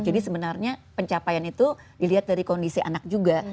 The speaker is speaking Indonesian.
jadi sebenarnya pencapaian itu dilihat dari kondisi anak juga